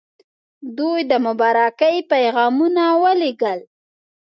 دوی د مبارکۍ پیغامونه ولېږل.